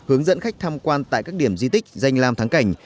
hướng dẫn khách tham quan tại các điểm di tích danh lam thắng cảnh